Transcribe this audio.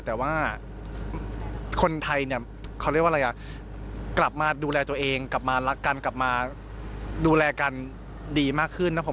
แต่ว่าคนไทยกลับมาดูแลตัวเองกลับมารักกันกลับมาดูแลกันดีมากขึ้นนะครับ